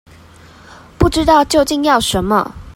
不知道究竟要什麼